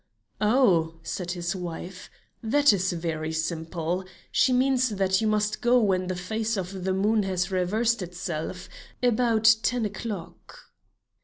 "Oh," said his wife, "that is very simple; she means that you must go when the face of the moon has reversed itself, about ten o'clock."